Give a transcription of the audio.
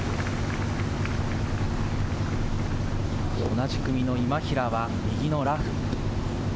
同じ組の今平は右のラフ。